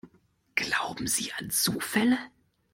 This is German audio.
Glauben Sie an Zufälle?